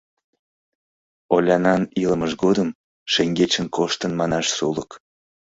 Олянан илымыж годым шеҥгечын коштын манаш сулык.